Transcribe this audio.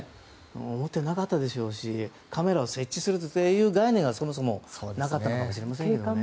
思っていなかったでしょうしカメラを設置するという概念が、そもそもなかったかもしれませんよね。